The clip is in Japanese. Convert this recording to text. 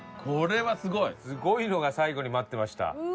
すごいのが最後に待ってました。